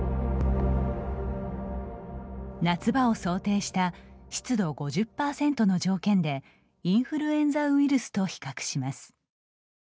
夏場を想定した湿度５０％の条件でインフルエンザウイルスと比較します。